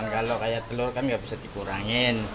kalau kayak telur kan nggak bisa dikurangin